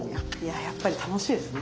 やっぱり楽しいですね。